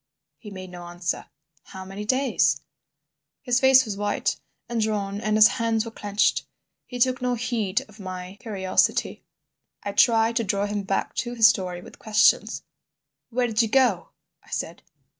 He made no answer. "How many days?" His face was white and drawn and his hands were clenched. He took no heed of my curiosity. I tried to draw him back to his story with questions. "Where did you go?" I said.